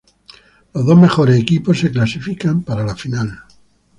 Los dos mejores equipos se clasifican para la final.